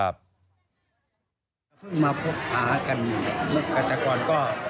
เพิ่งมาพบหากันแต่ก่อนก็